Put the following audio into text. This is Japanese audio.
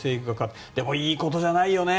でもいいことじゃないよね。